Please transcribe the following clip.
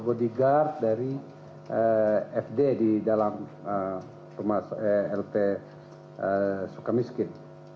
bodyguard dari fd di dalam lps suka miskin